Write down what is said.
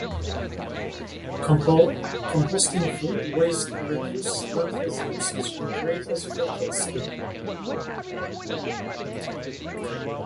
Composting food waste reduces landfill usage and creates fertile soil.